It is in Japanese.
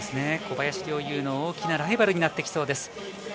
小林陵侑の大きなライバルになりそうです。